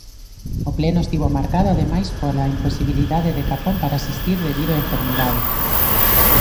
O pleno estivo marcado ademais pola imposibilidade de Capón para asistir debido á enfermidade.